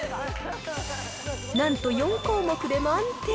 なんと４項目で満点。